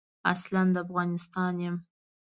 اصلاً د افغانستان یم.